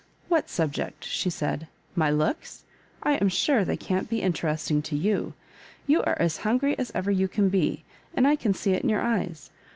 "What subject?" she said; "my looks? I am sure they can't be interesting to you. Ton are as hungry as ever you can be, and I can see it in your eyes.